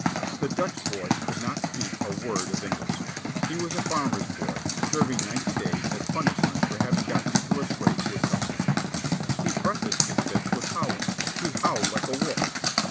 The Dutch boy could not speak a word of English. He was a farmer's boy, serving ninety days as punishment for having got into a scrap with some one. He prefaced his fits with howling. He howled like a wolf.